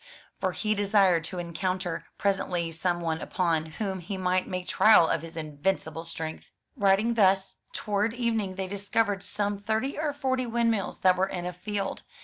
For he desired to encounter pres ently some one upon whom he might make trial of his invincible strength. Riding thus, toward evening they discovered some thirty or forty windmills, that were in a field.